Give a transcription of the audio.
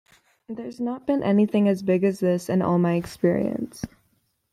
There's not been anything as big as this in all my experience.